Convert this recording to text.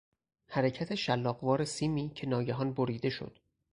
حرکت شلاقوار سیمی که ناگهان بریده شد.